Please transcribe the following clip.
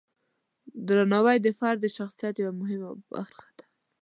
درناوی د فرد د شخصیت یوه مهمه برخه ده.